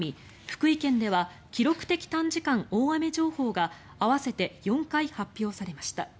福井県では記録的短時間大雨情報が合わせて４回発表されました。